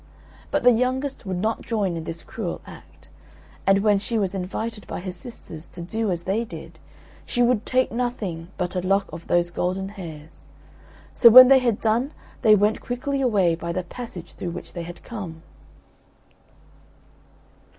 But the youngest would not join in this cruel act; and when she was invited by her sisters to do as they did, she would take nothing but a lock of those golden hairs. So when they had done they went quickly away by the passage through which they had come.